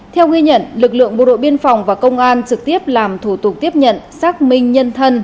theo ghi nhận lực lượng bộ đội biên phòng và công an trực tiếp làm thủ tục tiếp nhận xác minh nhân thân